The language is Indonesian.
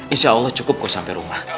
insyaallah cukup kok sampe rumah